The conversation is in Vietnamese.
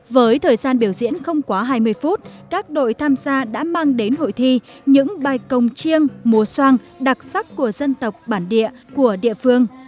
với thời gian biểu diễn không quá hai mươi phút các đội tham gia đã mang đến hội thi những bài công chiêng mùa soan đặc sắc của dân tộc bản địa của địa phương